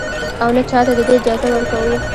او نـه چـاتـه د دې اجـازه ورکـو.